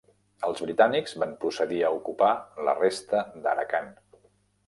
Els britànics van procedir a ocupar la resta d'Arakan.